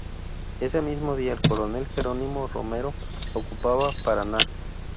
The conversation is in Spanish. Ese mismo día el coronel Jerónimo Romero ocupaba Paraná.